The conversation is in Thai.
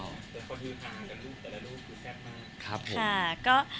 แต่คนที่ทานกันลูกแต่ละลูกคือแซ่บมาก